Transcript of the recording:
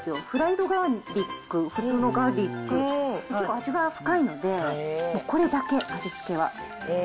フライドガーリック、普通のガーリック、結構、味が深いので、もうこれだけ、味付けは。